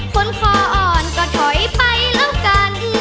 คนคออ่อนก็ถอยไปแล้วกัน